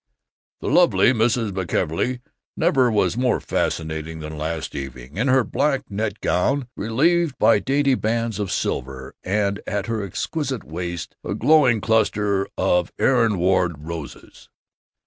The lovely Mrs. McKelvey never was more fascinating than last evening in her black net gown relieved by dainty bands of silver and at her exquisite waist a glowing cluster of Aaron Ward roses.